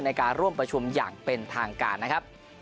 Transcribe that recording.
ในการร่วมประชุมอย่างเป็นทางการนะครับ